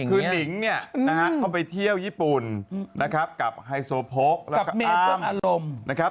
คือนิ่งเนี่ยเอาไปเที่ยวญี่ปุ่นนะครับกับไฮโซโพกแล้วกับอ้ำ